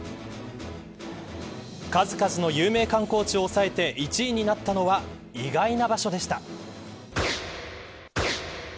数々の有名観光地を抑えて１位になったのは意外な場所でした。